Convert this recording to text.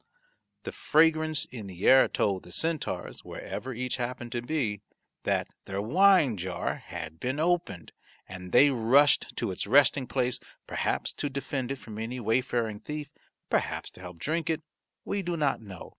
The fragrance in the air told the centaurs, wherever each happened to be, that their wine jar had been opened, and they rushed to its resting place perhaps to defend it from any wayfaring thief, perhaps to help drink it, we do not know.